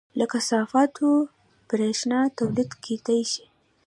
له کثافاتو بریښنا تولید کیدی شي